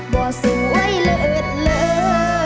บ่สวยเลือดเลือด